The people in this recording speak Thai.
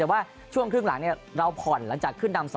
แต่ว่าช่วงครึ่งหลังเราผ่อนหลังจากขึ้นดำ๒